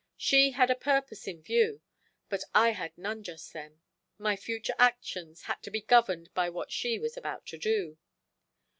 She had a purpose in view, but I had none just then; my future actions had to be governed by what she was about to do.